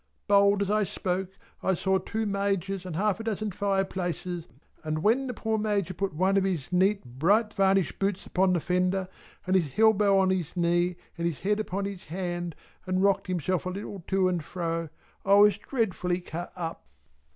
Bold as I spoke, I saw two Majors and half a dozen fireplaces, and when the poor Major put one of his neat bright varnished boots upon the fender and his elbow on his knee and his head upon his hand and rocked himself a little to and fro, I was dreadfully cut up.